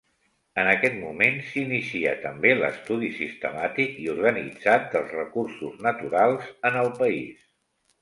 En aquest moment s'inicia també l'estudi sistemàtic i organitzat dels recursos naturals en el país.